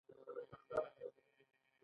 له یوې رتبې څخه بلې ته تلل ترفیع ده.